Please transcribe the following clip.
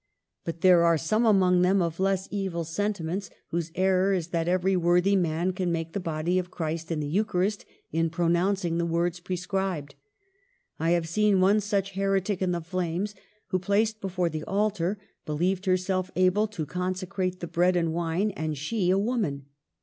But there are some among them of less evil sentiments, whose error is that every worthy man can make the body of Christ in the Eucharist in pronouncing the words pre scribed. I have seen one such heretic in the flames, who, placed before the altar, beheved herself able to consecrate the bread and wine, and she a woman.